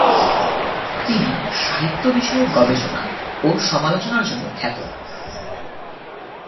তিনি সাহিত্য বিষয়ক গবেষণা ও সমালোচনার জন্য খ্যাত।